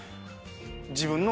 自分の。